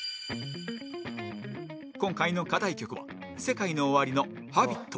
今回の課題曲は ＳＥＫＡＩＮＯＯＷＡＲＩ の『Ｈａｂｉｔ』